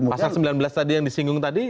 pasal sembilan belas tadi yang disinggung tadi